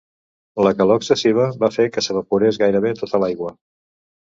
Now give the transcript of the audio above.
La calor excessiva va fer que s'evaporés gairebé tota l'aigua.